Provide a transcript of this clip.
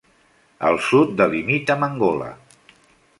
Al sud delimita amb Angola.